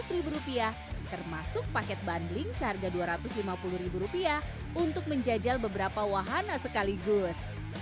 rp seratus termasuk paket bundling seharga rp dua ratus lima puluh untuk menjajal beberapa wahana sekaligus